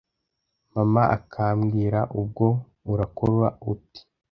mama akambwira ‘ubwo urakora ute